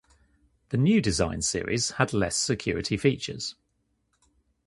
The New Design Series had less security features.